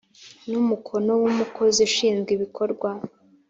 n umukono w umukozi ushinzwe ibikorwa